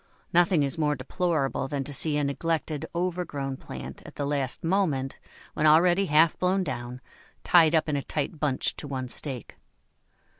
Nothing is more deplorable than to see a neglected, overgrown plant, at the last moment, when already half blown down, tied up in a tight bunch to one stake.